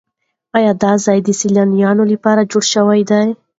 ایا دا ځای د سیلانیانو لپاره جوړ شوی دی؟